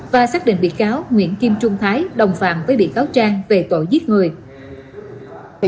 và xác định bị cáo nguyễn kim trung thái đồng phạm với bị cáo trang về tội giết người